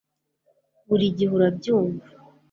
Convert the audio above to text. burigihe urabyumva